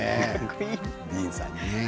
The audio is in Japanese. ディーンさんね。